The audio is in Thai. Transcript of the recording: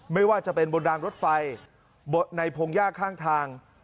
ไม่ว่าจะเป็นบนรางรถไฟในพงหญ้าข้างทาง